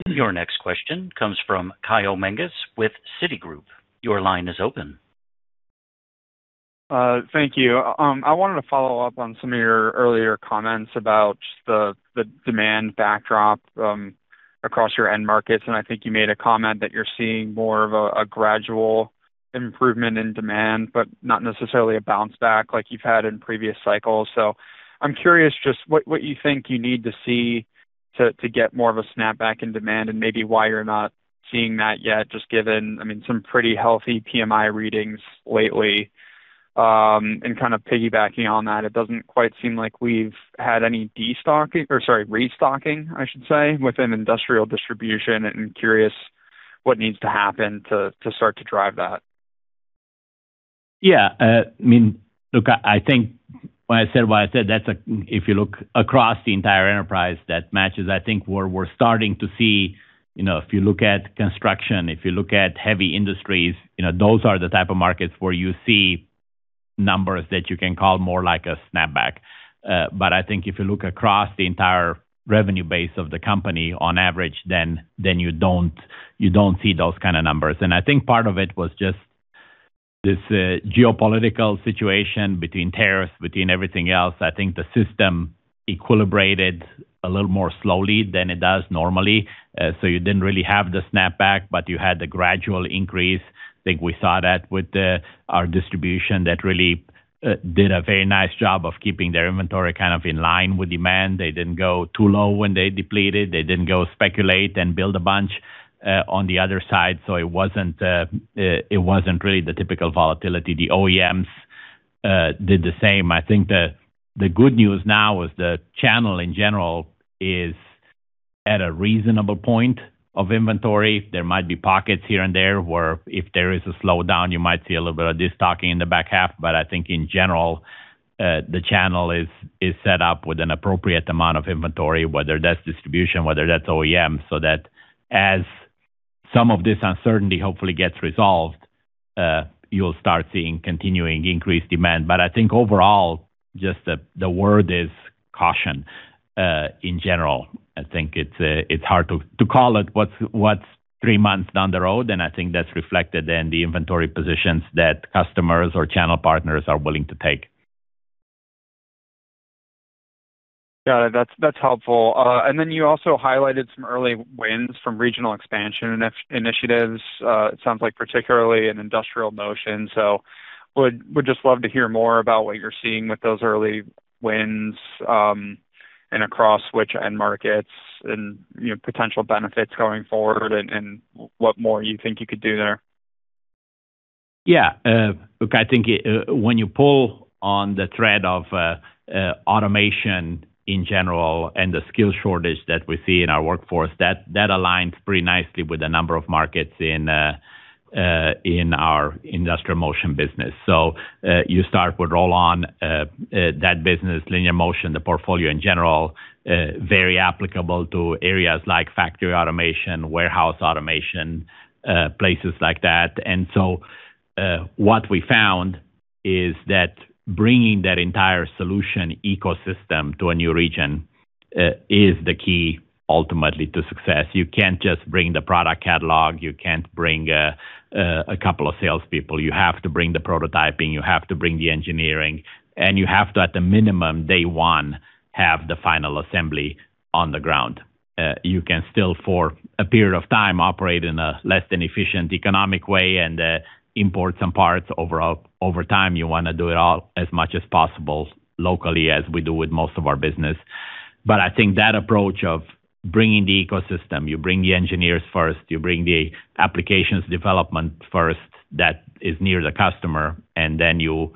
S1: Your next question comes from Kyle Menges with Citigroup. Your line is open.
S8: Thank you. I wanted to follow up on some of your earlier comments about just the demand backdrop from across your end markets. I think you made a comment that you're seeing more of a gradual improvement in demand. Not necessarily a bounce back like you've had in previous cycles. I'm curious just what you think you need to see to get more of a snapback in demand and maybe why you're not seeing that yet, just given some pretty healthy PMI readings lately. Kind of piggybacking on that, it doesn't quite seem like we've had any destocking, or sorry, restocking, I should say, within industrial distribution, and I'm curious what needs to happen to start to drive that.
S3: Yeah. Look, I think when I said what I said, if you look across the entire enterprise, that matches, I think, where we're starting to see if you look at construction, if you look at heavy industries, those are the type of markets where you see numbers that you can call more like a snapback. I think if you look across the entire revenue base of the company on average, you don't see those kind of numbers. I think part of it was just this geopolitical situation between tariffs, between everything else. I think the system equilibrated a little more slowly than it does normally. You didn't really have the snapback, but you had the gradual increase. I think we saw that with our distribution that really did a very nice job of keeping their inventory kind of in line with demand. They didn't go too low when they depleted. They didn't go speculate and build a bunch on the other side. It wasn't really the typical volatility. The OEMs did the same. I think the good news now is the channel in general is at a reasonable point of inventory. There might be pockets here and there where if there is a slowdown, you might see a little bit of destocking in the back half. I think in general, the channel is set up with an appropriate amount of inventory, whether that's distribution, whether that's OEM. That as some of this uncertainty hopefully gets resolved, you'll start seeing continuing increased demand. I think overall, just the word is caution in general. I think it's hard to call it what's three months down the road. I think that's reflected in the inventory positions that customers or channel partners are willing to take.
S8: Yeah, that's helpful. Then you also highlighted some early wins from regional expansion initiatives. It sounds like particularly in Industrial Motion. Would just love to hear more about what you're seeing with those early wins, and across which end markets and potential benefits going forward, and what more you think you could do there.
S3: Yeah. Look, I think when you pull on the thread of automation in general and the skill shortage that we see in our workforce, that aligns pretty nicely with a number of markets in our Industrial Motion business. You start with Rollon, that business, linear motion, the portfolio in general, very applicable to areas like factory automation, warehouse automation, places like that. What we found is that bringing that entire solution ecosystem to a new region is the key ultimately to success. You can't just bring the product catalog. You can't bring a couple of salespeople. You have to bring the prototyping, you have to bring the engineering, and you have to, at the minimum, day one, have the final assembly on the ground. You can still, for a period of time, operate in a less than efficient economic way and import some parts over time. You want to do it all as much as possible locally, as we do with most of our business. I think that approach of bringing the ecosystem, you bring the engineers first, you bring the applications development first that is near the customer, and then you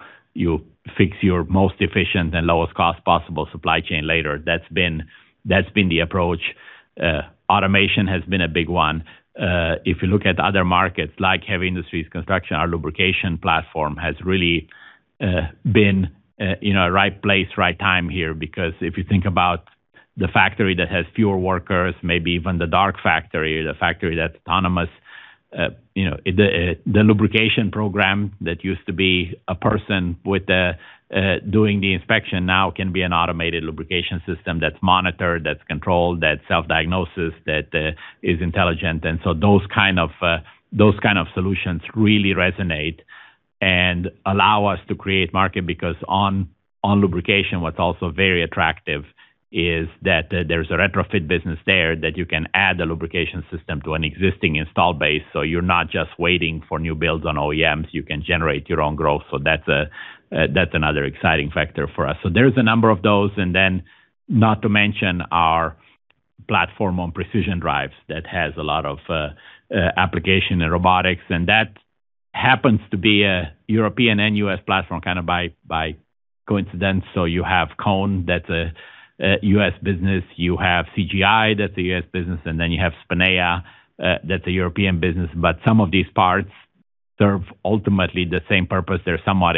S3: fix your most efficient and lowest cost possible supply chain later. That's been the approach. Automation has been a big one. If you look at other markets like heavy industries, construction, our lubrication platform has really been in a right place, right time here, because if you think about the factory that has fewer workers, maybe even the dark factory or the factory that's autonomous. The lubrication program that used to be a person doing the inspection now can be an automated lubrication system that's monitored, that's controlled, that's self-diagnosis, that is intelligent. Those kind of solutions really resonate and allow us to create market. Because on lubrication, what's also very attractive is that there's a retrofit business there that you can add a lubrication system to an existing install base. You're not just waiting for new builds on OEMs, you can generate your own growth. That's another exciting factor for us. There is a number of those. Not to mention our platform on precision drives that has a lot of application in robotics, and that happens to be a European and U.S. platform kind of by coincidence. You have Cone, that's a U.S. business. You have CGI, that's a U.S. business. You have Spinea, that's a European business. Some of these parts serve ultimately the same purpose. They're somewhat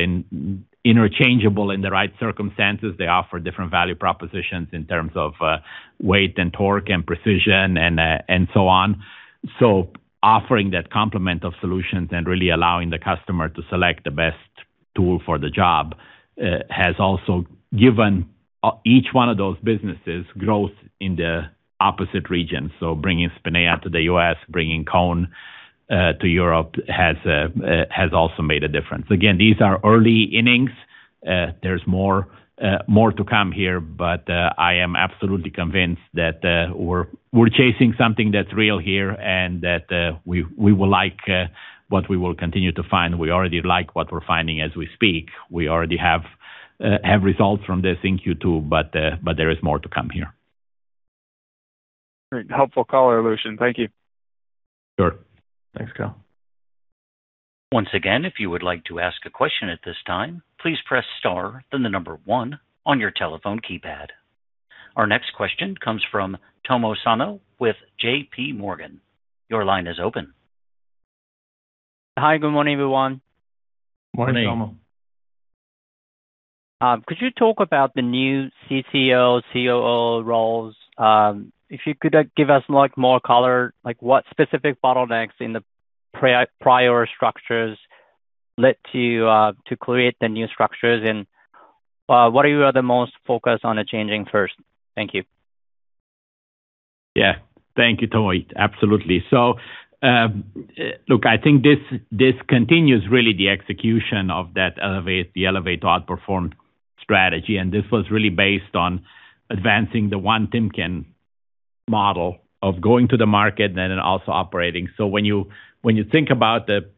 S3: interchangeable in the right circumstances. They offer different value propositions in terms of weight and torque and precision and so on. Offering that complement of solutions and really allowing the customer to select the best tool for the job, has also given each one of those businesses growth in the opposite region. Bringing Spinea to the U.S., bringing Cone to Europe has also made a difference. Again, these are early innings. There's more to come here, but I am absolutely convinced that we're chasing something that's real here and that we will like what we will continue to find. We already like what we're finding as we speak. We already have results from this in Q2, but there is more to come here.
S8: Great. Helpful color, Lucian. Thank you.
S3: Sure.
S4: Thanks, Kyle.
S1: Once again, if you would like to ask a question at this time, please press star, then the number one on your telephone keypad. Our next question comes from Tomo Sano with J.P. Morgan. Your line is open.
S9: Hi. Good morning, everyone.
S3: Morning.
S4: Morning, Tomo.
S9: Could you talk about the new CCO, COO roles? If you could give us more color, like what specific bottlenecks in the prior structures led to create the new structures, and what are the most focus on the changing first? Thank you.
S3: Thank you, Tomo. Absolutely. Look, I think this continues really the execution of that Elevate to Outperform strategy. This was really based on advancing the One Timken model of going to the market and also operating. When you think about the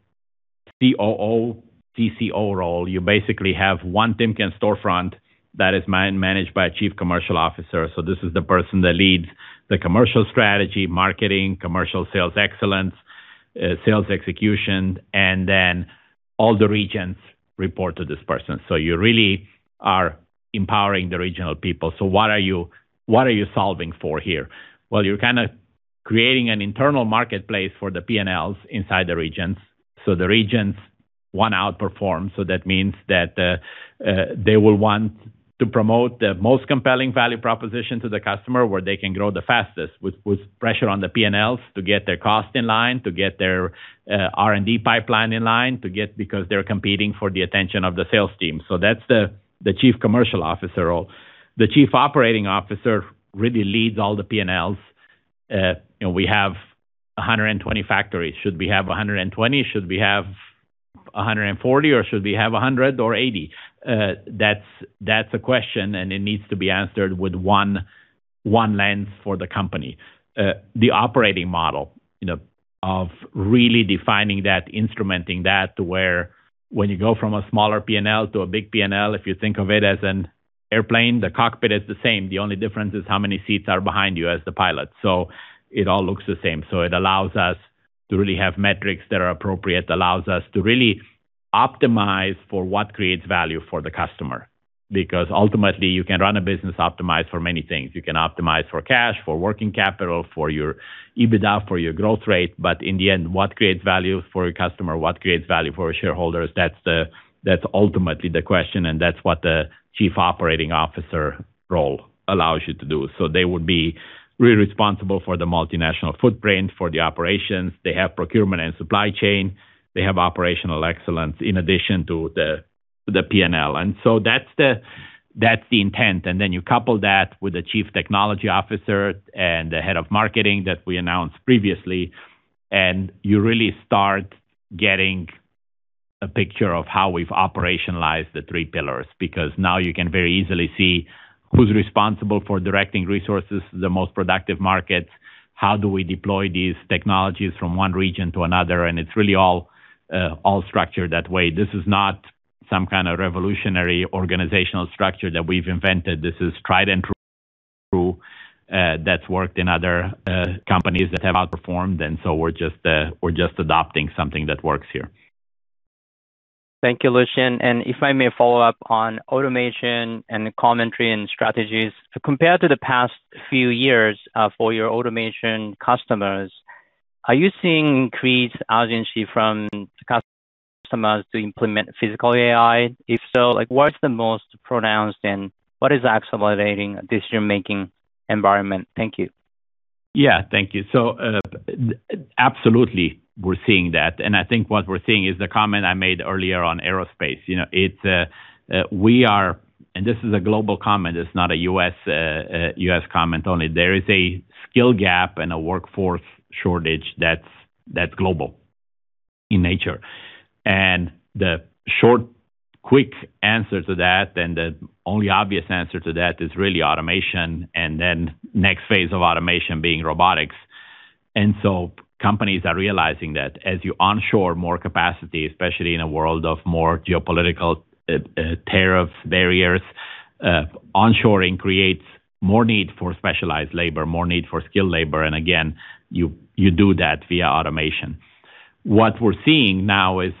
S3: COO, CCO role, you basically have One Timken storefront that is managed by a Chief Commercial Officer. This is the person that leads the commercial strategy, marketing, commercial sales excellence, sales execution, and all the regions report to this person. You really are empowering the regional people. What are you solving for here? Well, you're kind of creating an internal marketplace for the P&Ls inside the regions. The regions want to outperform. That means that they will want to promote the most compelling value proposition to the customer where they can grow the fastest with pressure on the P&Ls to get their cost in line, to get their R&D pipeline in line, because they're competing for the attention of the sales team. That's the Chief Commercial Officer role. The Chief Operating Officer really leads all the P&Ls. We have 120 factories. Should we have 120? Should we have 140? Should we have 100 or 80? That's a question, it needs to be answered with one lens for the company. The operating model of really defining that, instrumenting that to where when you go from a smaller P&L to a big P&L, if you think of it as an airplane, the cockpit is the same. The only difference is how many seats are behind you as the pilot. It all looks the same. It allows us to really have metrics that are appropriate, allows us to really optimize for what creates value for the customer. Ultimately, you can run a business optimized for many things. You can optimize for cash, for working capital, for your EBITDA, for your growth rate. In the end, what creates value for a customer? What creates value for shareholders? That's ultimately the question, and that's what the Chief Operating Officer role allows you to do. They would be really responsible for the multinational footprint for the operations. They have procurement and supply chain. They have operational excellence in addition to the P&L. That's the intent. You couple that with the Chief Technology Officer and the head of marketing that we announced previously, and you really start getting a picture of how we've operationalized the three pillars. Now you can very easily see who's responsible for directing resources to the most productive markets. How do we deploy these technologies from one region to another? It's really all structured that way. This is not some kind of revolutionary organizational structure that we've invented. This is tried and true that's worked in other companies that have outperformed, we're just adopting something that works here.
S9: Thank you, Lucian. If I may follow up on automation and commentary and strategies. Compared to the past few years, for your automation customers, are you seeing increased urgency from customers to implement physical AI? If so, what's the most pronounced, and what is accelerating decision-making environment? Thank you.
S3: Yeah. Thank you. Absolutely, we're seeing that. I think what we're seeing is the comment I made earlier on aerospace. This is a global comment, it's not a U.S. comment only. There is a skill gap and a workforce shortage that's global in nature. The short, quick answer to that, and the only obvious answer to that is really automation, and then next phase of automation being robotics. Companies are realizing that as you onshore more capacity, especially in a world of more geopolitical tariff barriers, onshoring creates more need for specialized labor, more need for skilled labor, and again, you do that via automation. What we're seeing now is,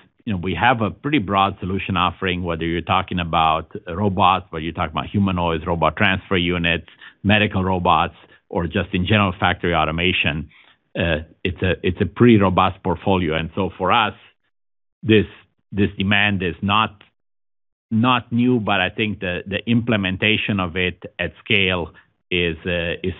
S3: we have a pretty broad solution offering, whether you're talking about robots, whether you're talking about humanoids, robot transfer units, medical robots, or just in general factory automation. It's a pretty robust portfolio. For us, this demand is not new, I think the implementation of it at scale is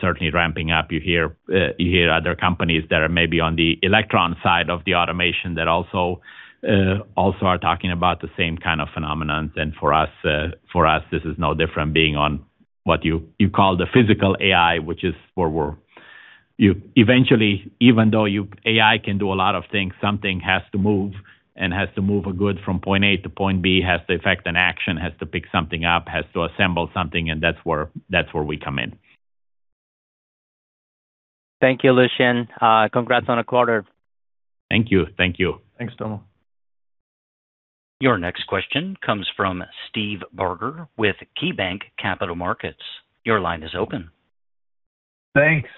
S3: certainly ramping up. You hear other companies that are maybe on the electron side of the automation that also are talking about the same kind of phenomenon. For us, this is no different being on what you call the physical AI. Eventually, even though AI can do a lot of things, something has to move, and has to move a good from point A to point B, has to effect an action, has to pick something up, has to assemble something, and that's where we come in.
S9: Thank you, Lucian. Congrats on a quarter.
S3: Thank you.
S4: Thanks, Tomo.
S1: Your next question comes from Steve Barger with KeyBanc Capital Markets. Your line is open.
S10: Thanks.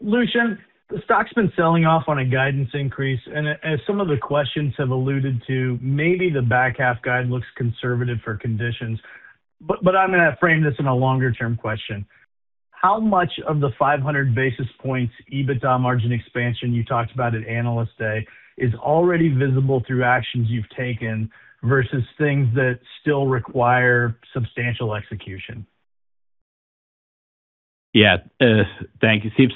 S10: Lucian, the stock's been selling off on a guidance increase, and as some of the questions have alluded to, maybe the back half guide looks conservative for conditions. I'm going to frame this in a longer-term question. How much of the 500 basis points EBITDA margin expansion you talked about at Analyst Day is already visible through actions you've taken, versus things that still require substantial execution?
S3: Yeah. Thank you, Steve.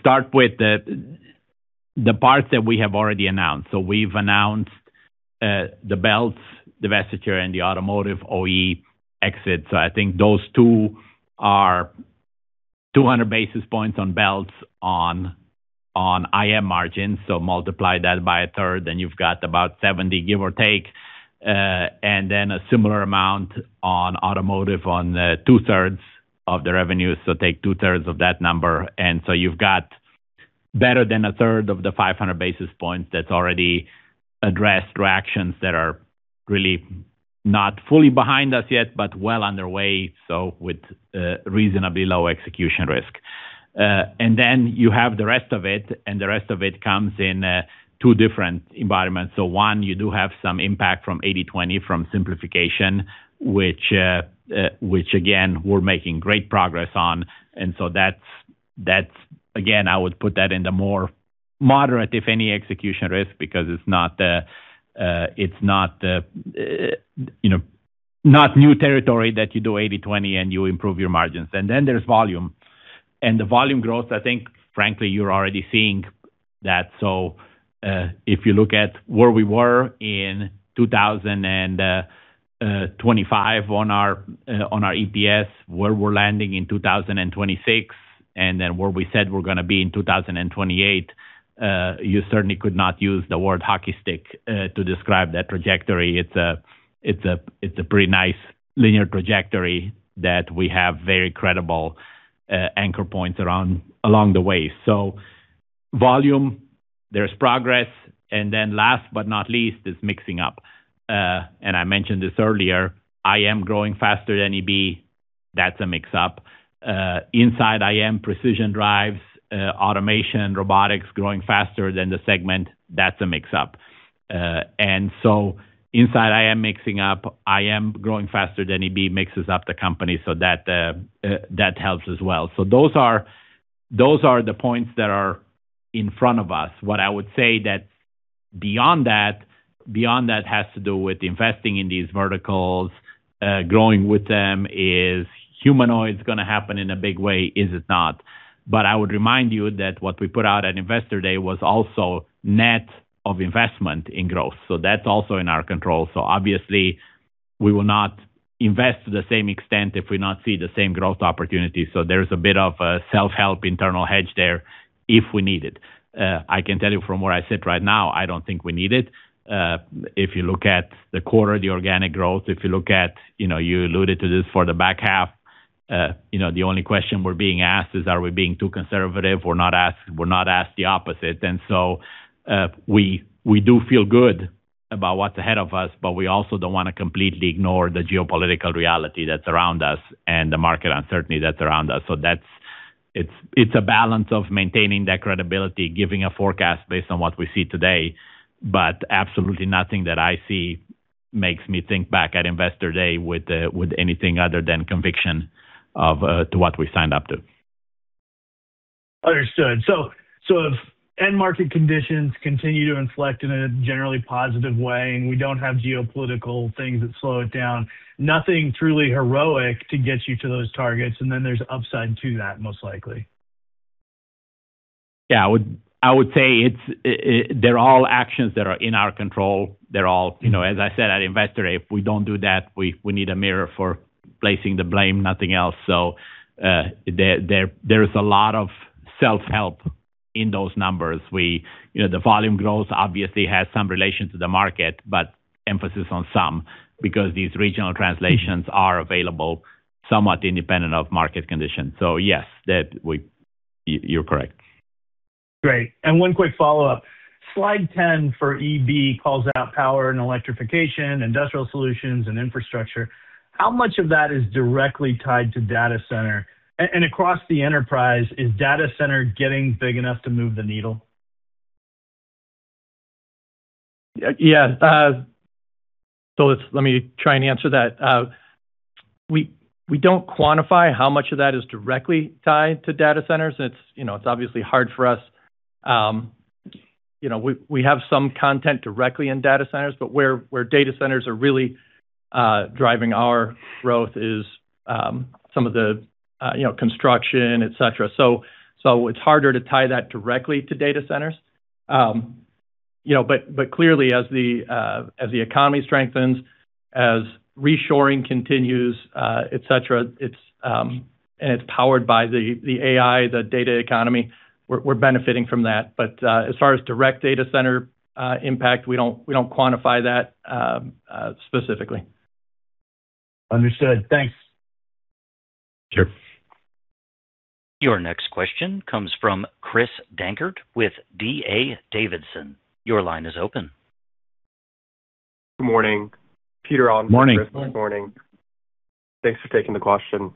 S3: Start with the part that we have already announced. We've announced the belts divestiture and the automotive OE exit. I think those two are 200 basis points on belts on IM margins. Multiply that by 1/3, then you've got about 70, give or take. A similar amount on automotive on 2/3 of the revenue. Take 2/3 of that number. You've got better than 1/3 of the 500 basis points that's already addressed through actions that are really not fully behind us yet, but well underway, with reasonably low execution risk. You have the rest of it, and the rest of it comes in two different environments. One, you do have some impact from 80/20, from simplification, which again, we're making great progress on. That's, again, I would put that in the more moderate, if any, execution risk, because it's not new territory that you do 80/20 and you improve your margins. There's volume. The volume growth, I think, frankly, you're already seeing that. If you look at where we were in 2025 on our EPS, where we're landing in 2026, and then where we said we're going to be in 2028, you certainly could not use the word hockey stick to describe that trajectory. It's a pretty nice linear trajectory that we have very credible anchor points along the way. Volume, there's progress, and then last but not least is mixing up. I mentioned this earlier, IM growing faster than EB, that's a mix up. Inside IM, precision drives, automation, robotics growing faster than the segment. That's a mix up. Inside IM mixing up, IM growing faster than EB mixes up the company, that helps as well. Those are the points that are in front of us. What I would say that beyond that has to do with investing in these verticals, growing with them. Is humanoids going to happen in a big way? Is it not? I would remind you that what we put out at Investor Day was also net of investment in growth. That's also in our control. Obviously we will not invest to the same extent if we not see the same growth opportunity. There's a bit of a self-help internal hedge there if we need it. I can tell you from where I sit right now, I don't think we need it. If you look at the quarter, the organic growth, you alluded to this for the back half, the only question we're being asked is, are we being too conservative? We're not asked the opposite. We do feel good about what's ahead of us, but we also don't want to completely ignore the geopolitical reality that's around us and the market uncertainty that's around us. It's a balance of maintaining that credibility, giving a forecast based on what we see today, but absolutely nothing that I see makes me think back at Investor Day with anything other than conviction of to what we signed up to.
S10: Understood. If end market conditions continue to inflect in a generally positive way, and we don't have geopolitical things that slow it down, nothing truly heroic to get you to those targets, and then there's upside to that, most likely?
S3: I would say they're all actions that are in our control. As I said at Investor Day, if we don't do that, we need a mirror for placing the blame, nothing else. There is a lot of self-help in those numbers. The volume growth obviously has some relation to the market, but emphasis on some, because these regional translations are available somewhat independent of market conditions. Yes, you're correct.
S10: Great. One quick follow-up. Slide 10 for EB calls out power and electrification, industrial solutions, and infrastructure. How much of that is directly tied to data center? Across the enterprise, is data center getting big enough to move the needle?
S4: Yeah. Let me try and answer that. We don't quantify how much of that is directly tied to data centers. It's obviously hard for us. We have some content directly in data centers, where data centers are really driving our growth is some of the construction, et cetera. It's harder to tie that directly to data centers. Clearly as the economy strengthens, as reshoring continues, et cetera, and it's powered by the AI, the data economy, we're benefiting from that. As far as direct data center impact, we don't quantify that specifically.
S10: Understood. Thanks.
S4: Sure.
S1: Your next question comes from Chris Dankert with D.A. Davidson. Your line is open.
S11: Good morning.
S3: Morning.
S11: Good morning. Thanks for taking the question.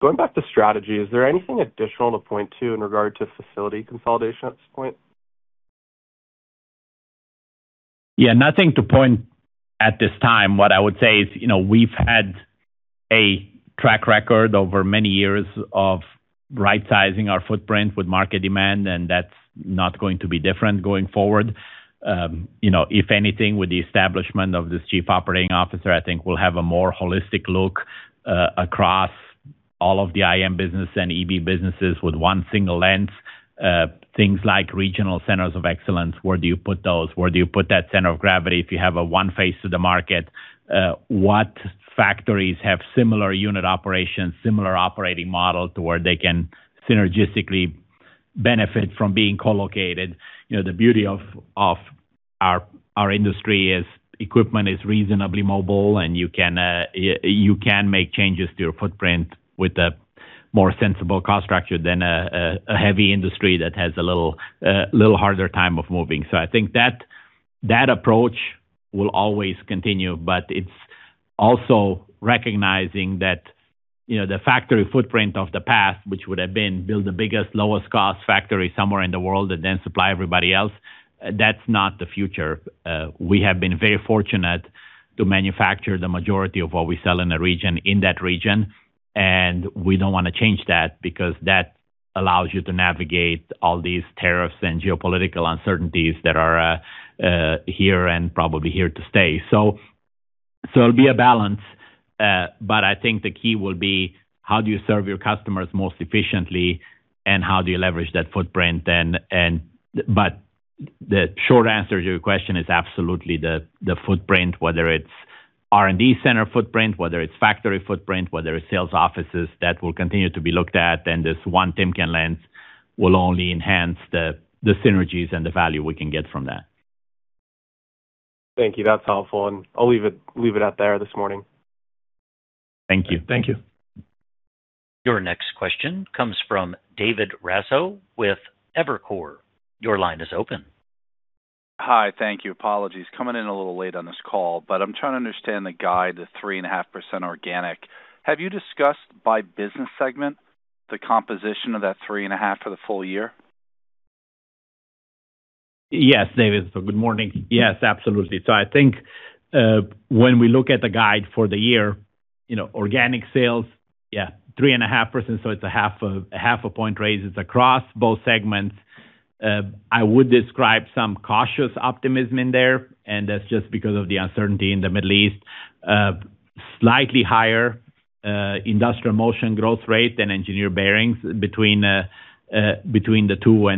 S11: Going back to strategy, is there anything additional to point to in regard to facility consolidation at this point?
S3: Yeah, nothing to point at this time. What I would say is we've had a track record over many years of rightsizing our footprint with market demand. That's not going to be different going forward. If anything, with the establishment of this Chief Operating Officer, I think we'll have a more holistic look across all of the IM business and EB businesses with one single lens. Things like regional centers of excellence, where do you put those? Where do you put that center of gravity if you have a one face to the market? What factories have similar unit operations, similar operating model to where they can synergistically benefit from being co-located? The beauty of our industry is equipment is reasonably mobile. You can make changes to your footprint with a more sensible cost structure than a heavy industry that has a little harder time of moving. I think that approach will always continue, but it's also recognizing that the factory footprint of the past, which would have been build the biggest, lowest cost factory somewhere in the world and then supply everybody else, that's not the future. We have been very fortunate to manufacture the majority of what we sell in a region in that region. We don't want to change that because that allows you to navigate all these tariffs and geopolitical uncertainties that are here and probably here to stay. It'll be a balance, but I think the key will be how do you serve your customers most efficiently and how do you leverage that footprint then. The short answer to your question is absolutely the footprint, whether it's R&D center footprint, whether it's factory footprint, whether it's sales offices, that will continue to be looked at, and this One Timken lens will only enhance the synergies and the value we can get from that.
S11: Thank you. That's helpful, and I'll leave it out there this morning.
S3: Thank you.
S4: Thank you.
S1: Your next question comes from David Raso with Evercore. Your line is open.
S12: Hi. Thank you. Apologies. Coming in a little late on this call, I'm trying to understand the guide, the 3.5% organic. Have you discussed by business segment the composition of that 3.5% for the full year?
S3: Yes, David. Good morning. Yes, absolutely. I think when we look at the guide for the year, organic sales, yeah, 3.5%, it's a 0.5 point raise. It's across both segments. I would describe some cautious optimism in there, that's just because of the uncertainty in the Middle East. Slightly higher Industrial Motion growth rate than Engineered Bearings between the two.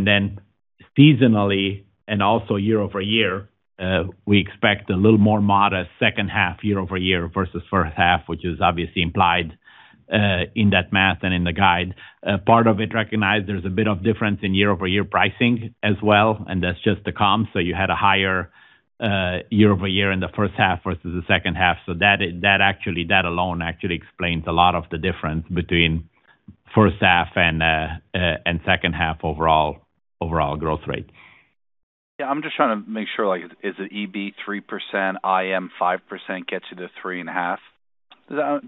S3: Seasonally and also year-over-year, we expect a little more modest second half year-over-year versus first half, which is obviously implied in that math and in the guide. Part of it recognized there's a bit of difference in year-over-year pricing as well, that's just the comm. You had a higher year-over-year in the first half versus the second half. That alone actually explains a lot of the difference between first half and second half overall growth rate.
S12: Yeah, I'm just trying to make sure, is it EB 3%, IM 5% gets you to 3.5%?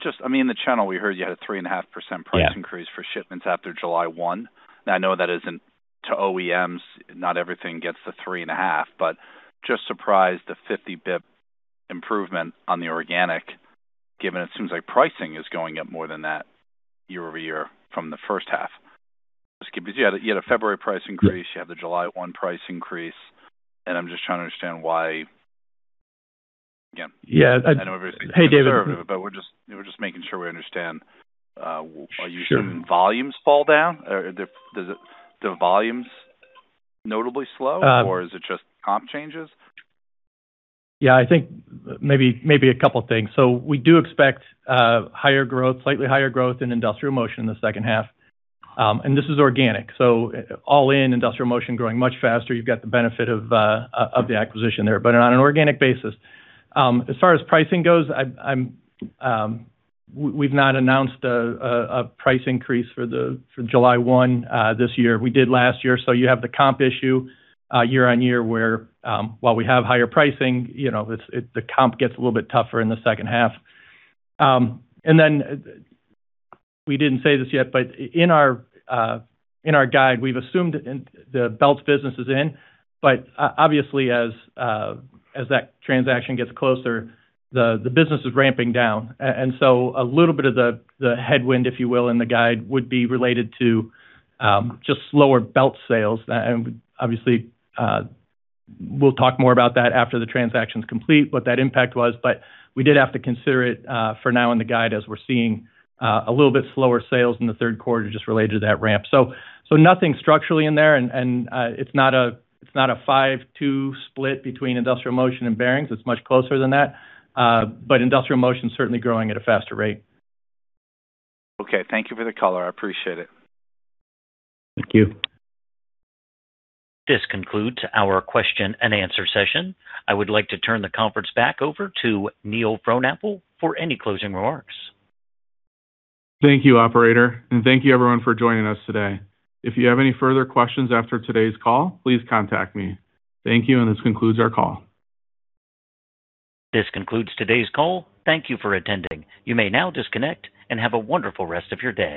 S12: Just in the channel, we heard you had a 3.5% price increase for shipments after July 1. Now I know that isn't to OEMs, not everything gets the 3.5%, just surprised a 50 bps improvement on the organic, given it seems like pricing is going up more than that year-over-year from the first half. You had a February price increase, you have the July 1 price increase, I'm just trying to understand why.
S4: Yeah. Hey, David.
S12: We're just making sure we understand.
S4: Sure.
S12: Are you seeing volumes fall down or the volumes notably slow? Is it just comp changes?
S4: Yeah, I think maybe a couple things. We do expect slightly higher growth in Industrial Motion in the second half. This is organic, so all in Industrial Motion growing much faster. You've got the benefit of the acquisition there. On an organic basis, as far as pricing goes, we've not announced a price increase for July 1 this year. We did last year, so you have the comp issue year-on-year where, while we have higher pricing, the comp gets a little bit tougher in the second half. We didn't say this yet, but in our guide, we've assumed the belts business is in, but obviously as that transaction gets closer, the business is ramping down. A little bit of the headwind, if you will, in the guide would be related to just slower belt sales. Obviously, we'll talk more about that after the transaction's complete, what that impact was. We did have to consider it for now in the guide as we're seeing a little bit slower sales in the third quarter just related to that ramp. Nothing structurally in there, and it's not a 5/2 split between Industrial Motion and Engineered Bearings. It's much closer than that. Industrial Motion's certainly growing at a faster rate.
S12: Thank you for the color. I appreciate it.
S4: Thank you.
S1: This concludes our question and answer session. I would like to turn the conference back over to Neil Frohnapple for any closing remarks.
S2: Thank you, operator, and thank you everyone for joining us today. If you have any further questions after today's call, please contact me. Thank you, and this concludes our call.
S1: This concludes today's call. Thank you for attending. You may now disconnect, and have a wonderful rest of your day.